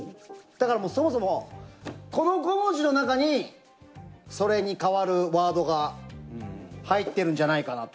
だからもうそもそもこの５文字の中にそれに代わるワードが入ってるんじゃないかなと。